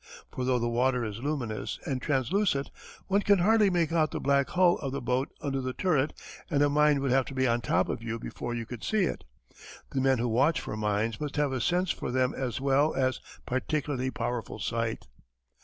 For though the water is luminous and translucent one can hardly make out the black hull of the boat under the turret and a mine would have to be on top of you before you could see it. The men who watch for mines must have a sense for them as well as particularly powerful sight.